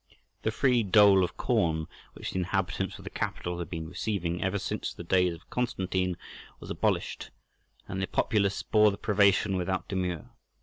The free dole of corn which the inhabitants of the capital had been receiving ever since the days of Constantine was abolished, and the populace bore the privation without demur.